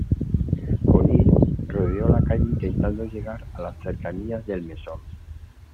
O'Neal, rodeó la calle intentando llegar a las cercanías del mesón.